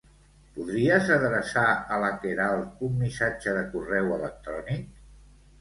Podries adreçar a la Queralt un missatge de correu electrònic?